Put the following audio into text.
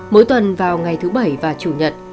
mỗi tuần vào ngày thứ bảy và chủ nhật